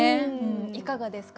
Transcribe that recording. いかがですか？